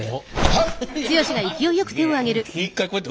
はい！